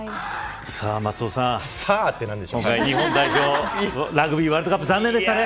さあ、松尾さん日本代表ラグビーワールドカップ残念でしたね。